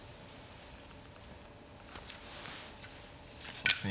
そうですね